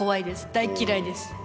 大っ嫌いです。